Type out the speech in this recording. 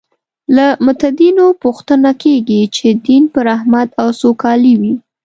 له متدینو پوښتنه کېږي چې دین به رحمت او سوکالي وي.